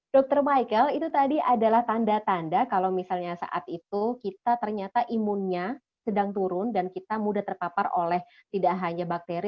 dr michael itu tadi adalah tanda tanda kalau misalnya saat itu kita ternyata imunnya sedang turun dan kita mudah terpapar oleh tidak hanya bakteri